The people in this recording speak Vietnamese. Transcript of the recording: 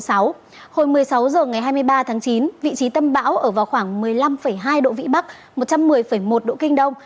hồi một mươi sáu h ngày hai mươi ba tháng chín vị trí tâm bão ở vào khoảng một mươi năm hai độ vĩ bắc một trăm một mươi một độ kinh đông